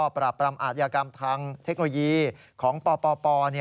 ปราบปรามอาทยากรรมทางเทคโนโลยีของปป